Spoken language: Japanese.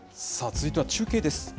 続いては中継です。